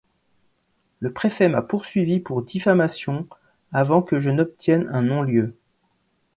Le préfet m’a poursuivi pour diffamation avant que je n’obtienne un non-lieu.